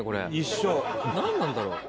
なんなんだろう？